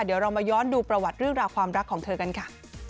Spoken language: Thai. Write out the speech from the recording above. เดี๋ยวเรามาย้อนดูประวัติเรื่องราวความรักของเธอกันค่ะ